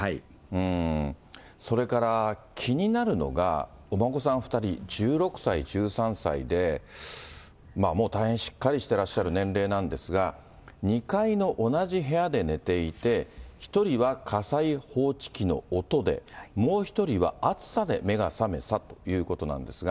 それから気になるのが、お孫さん２人、１６歳、１３歳で、もう大変しっかりしてらっしゃる年齢なんですが、２階の同じ部屋で寝ていて、１人は火災報知器の音で、もう１人は熱さで目が覚めたということなんですが。